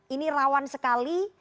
ini rawan sekali